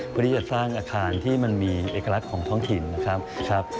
เพื่อที่จะสร้างอาคารที่มันมีเอกลักษณ์ของท้องถิ่นนะครับ